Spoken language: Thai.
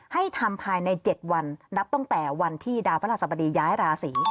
ให้ทำภายใน๗วันนับตั้งแต่วันที่ดาวพระราชสบดีย้ายราศี